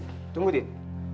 dit tunggu dit